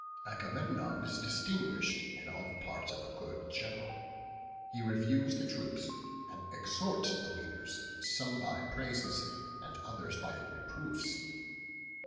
Agamemnon is distinguished in all the parts of a good general; he reviews the troops, and exhorts the leaders, some by praises, and others by reproofs.